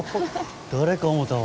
誰かぁ思たわ。